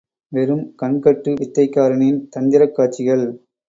வெறும் கண்கட்டு வித்தைக்காரனின் தந்திரக் காட்சிகள்!